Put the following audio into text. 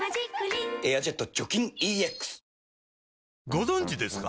ご存知ですか？